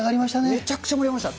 めちゃくちゃ盛り上がりました。